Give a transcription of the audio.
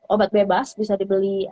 obat bebas bisa dibeli